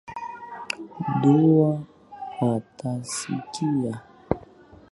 Dua atasikia